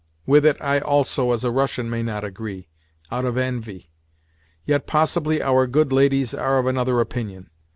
With it I also, as a Russian, may not agree—out of envy. Yet possibly our good ladies are of another opinion.